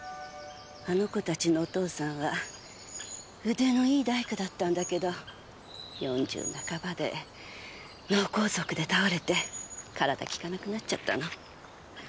あの子たちのお父さんは腕のいい大工だったんだけど四十半ばで脳梗塞で倒れて体きかなくなっちゃったの。